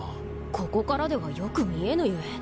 ここからではよく見えぬゆえ。